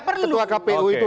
berarti tidak perlu